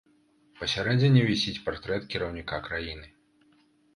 Пасярэдзіне вісіць партрэт кіраўніка краіны.